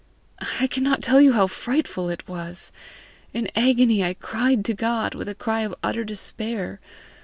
I cannot tell you how frightful it was! In agony I cried to God, with a cry of utter despair.